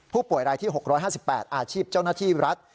ผู้ป่วยรายที่๖๕๘อาชีพเจ้าหน้าที่รัฐ